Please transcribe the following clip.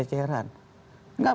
nggak pernah ada keributan